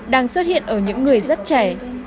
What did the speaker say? đang xuất hiện ở những người rất trẻ